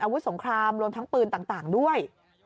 อาวุธสงครามรวมทั้งปืนต่างด้วย